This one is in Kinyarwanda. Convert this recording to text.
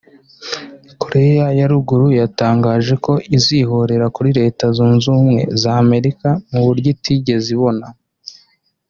Koreya ya Ruguru yatangaje ko izihorera kuri Leta zunze ubumwe z’Amerika mu buryo itigeze ibona